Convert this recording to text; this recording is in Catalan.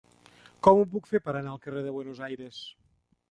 Com ho puc fer per anar al carrer de Buenos Aires?